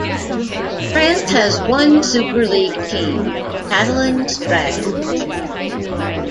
France has one Super League team, Catalans Dragons.